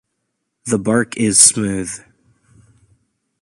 The bark is smooth.